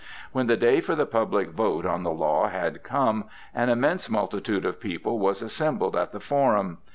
When the day for the public vote on the law had come, an immense multitude of people was assembled at the Forum.